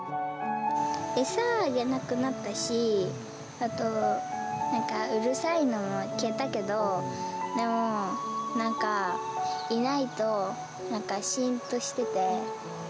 餌をあげなくなったし、あと、なんか、うるさいのも消えたけど、でも、なんか、いないと、なんかしーんとしてて。